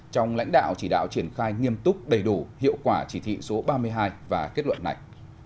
trong lãnh đạo chỉ đạo triển khai nghiêm túc đầy đủ hiệu quả chỉ thị số ba mươi hai và kết luận này